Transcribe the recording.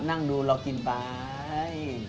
นั่งดูแล้วกินไป